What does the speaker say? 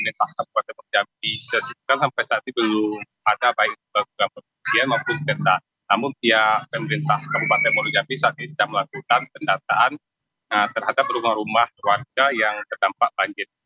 namun pihak pemerintah kabupaten monografi saat ini sedang melakukan pendataan terhadap rumah rumah warga yang terdampak banjir